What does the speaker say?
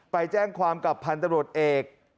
ไปแจ้งความกับพันธบรวจเอก